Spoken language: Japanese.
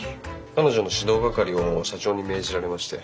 彼女の指導係を社長に命じられまして。